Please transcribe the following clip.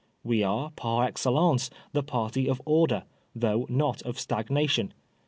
We are par ex cellence the party of order, though not of stagnation.